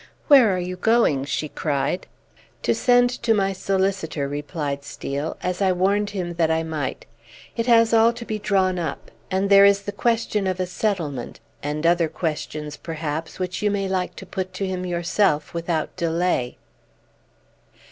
"Where are you going?" she cried. "To send to my solicitor," replied Steel, "as I warned him that I might. It has all to be drawn up; and there is the question of a settlement; and other questions, perhaps, which you may like to put to him yourself without delay."